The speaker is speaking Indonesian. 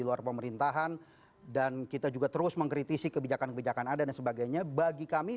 luar pemerintahan dan kita juga terus mengkritisi kebijakan kebijakan ada dan sebagainya bagi kami